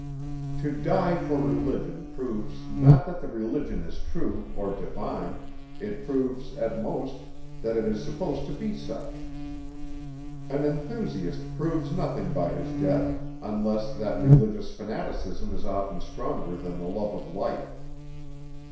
To die for religion proves not that the religion is true, or divine; it proves, at most, that it is supposed to be such. An enthusiast proves nothing by his death, unless that religious fanaticism is often stronger than the love of life.